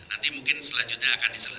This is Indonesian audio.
nanti mungkin selanjutnya akan diselesai